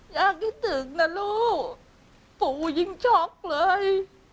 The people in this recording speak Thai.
อยากคิดถึงนะลูกปู่ยิ่งช็อกเลย